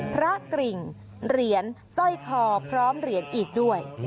กริ่งเหรียญสร้อยคอพร้อมเหรียญอีกด้วย